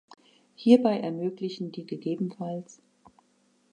Hierbei ermöglichen die ggf.